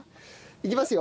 いきますよ。